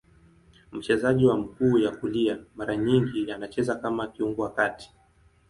Mchezaji wa mguu ya kulia, mara nyingi anacheza kama kiungo wa kati.